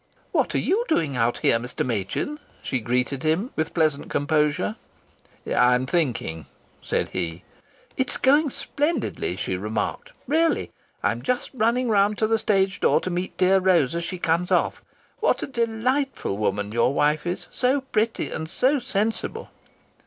"What are you doing out here, Mr. Machin?" she greeted him with pleasant composure. "I'm thinking," said he. "It's going splendidly," she remarked. "Really!... I'm just running round to the stage door to meet dear Rose as she comes off. What a delightful woman your wife is! So pretty, and so sensible!"